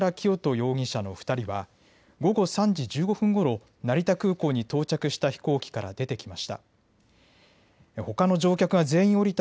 容疑者の２人は午後３時１５分ごろ、成田空港に到着した飛行機から出てきました。